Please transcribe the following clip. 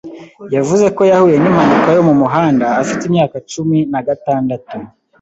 Yavuze ko yahuye n’impanuka yo mu muhanda afite imyaka cumi nagatandatu.